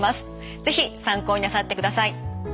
ぜひ参考になさってください。